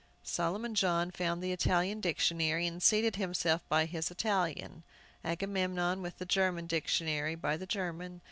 Solomon John found the Italian dictionary, and seated himself by his Italian; Agamemnon, with the German dictionary, by the German.